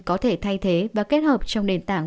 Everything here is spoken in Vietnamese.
có thể thay thế và kết hợp trong nền tảng